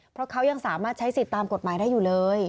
เพราะเขายังสามารถใช้สิทธิ์ตามกฎหมายได้อยู่เลย